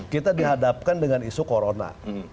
kita dihadapkan dengan isu corona